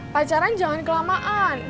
pacaran jangan kelamaan